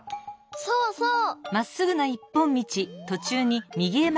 そうそう！